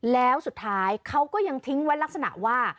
แล้วสุดท้ายเขาก็ยังทิ้งไว้ลักษณะว่า